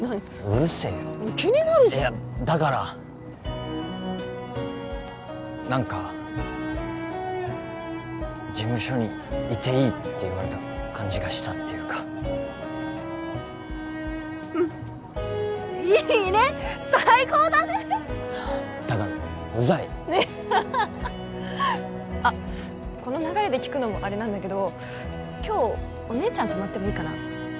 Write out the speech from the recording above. うるせえよ気になるじゃんいやだから何か事務所にいていいって言われた感じがしたっていうかうんいいね最高だねだからウザいハッハハハあっこの流れで聞くのもあれなんだけど今日お姉ちゃん泊まってもいいかな？